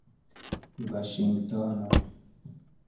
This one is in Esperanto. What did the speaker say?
vaŝingtono